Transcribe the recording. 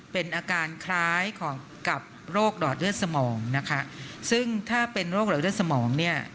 เป็นอาการคล้ายของกับโรคหลอดเลือดสมองนะคะซึ่งถ้าเป็นโรคหลอดเลือดสมองเนี่ย